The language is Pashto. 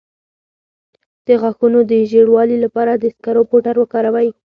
د غاښونو د ژیړوالي لپاره د سکرو پوډر وکاروئ